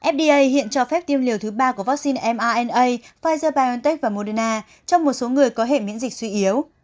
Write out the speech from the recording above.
fda hiện cho phép tiêm liều thứ ba của vaccine mana pfizer biontech và moderna trong một số người có hệ miễn dịch suy yếu